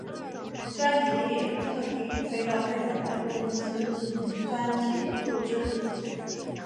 专辑也特地飞到日本的录音室进行专辑录制。